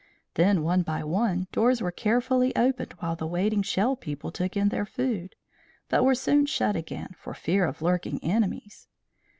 Then, one by one, doors were carefully opened while the waiting shell people took in their food, but were soon shut again, for fear of lurking enemies.